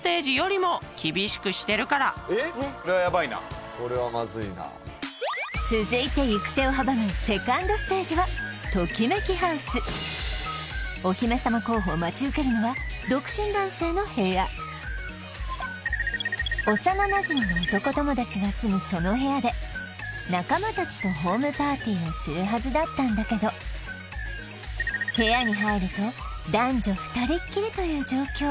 これはまずいなそれはヤバいな続いて行く手を阻むお姫様候補を待ち受けるのは独身男性の部屋幼なじみの男友達が住むその部屋で仲間たちとホームパーティーをするはずだったんだけど部屋に入ると男女２人きりという状況